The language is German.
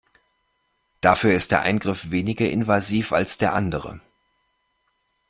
Dafür ist der Eingriff weniger invasiv als der andere.